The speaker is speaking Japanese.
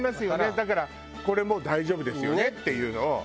だからこれも大丈夫ですよねっていうのを。